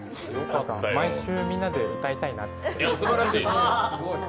毎週、みんなで歌いたいなって。